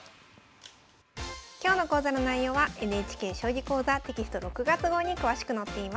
今日の講座の内容はＮＨＫ「将棋講座」テキスト６月号に詳しく載っています。